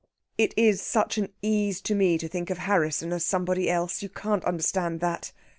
It is such an ease to me to think of Harrisson as somebody else. You can't understand that."